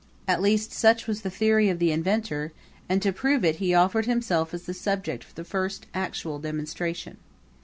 At least such was the theory of the inventor; and to prove it he offered himself as the subject for the first actual demonstration.